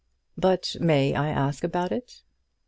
"But may I ask about it?"